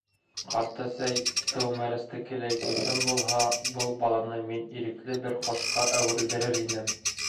Ҡартәсәй, Тыумәрәстекеләй көсөм булһа, был баланы мин ирекле бер ҡошҡа әүерелдерер инем!